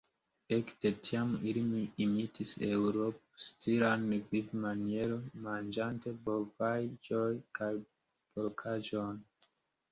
Ekde tiam ili imitis eŭropstilan vivmanieron, manĝante bovaĵon kaj porkaĵon.